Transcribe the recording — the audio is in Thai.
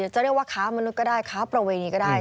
จะเรียกว่าค้ามนุษย์ก็ได้ค้าประเวณีก็ได้